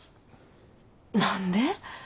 何で。